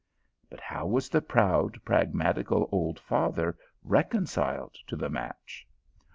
But how was the proud pragmatical old father reconciled to the match